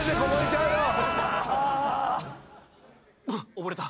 溺れた。